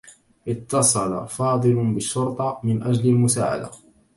اتّصل فاضل بالشرطة من أجل المساعدة.